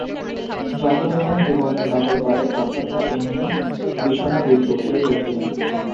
যন্ত্র যখন জীবনের নকল করে তখন তা এমনি বিষম বিদ্রূপ হয়েই ওঠে।